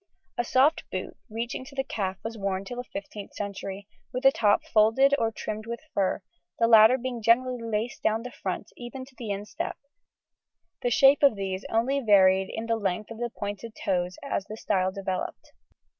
A soft boot, reaching to the calf, was worn till the 15th century, with the top folded or trimmed with fur, the latter being generally laced down the front, even to the instep: the shape of these only varied in the length of the pointed toes as the style developed.